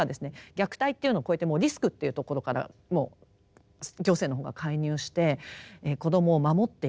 虐待っていうのを超えてもうリスクっていうところからもう行政の方が介入して子どもを守っていこうと。